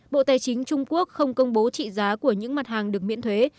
bộ tài chính trung quốc không công bố trị giá của những mặt hàng được miễn thuế